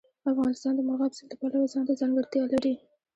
افغانستان د مورغاب سیند له پلوه ځانته ځانګړتیا لري.